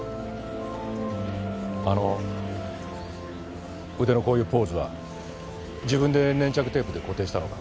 あの腕のこういうポーズは自分で粘着テープで固定したのか？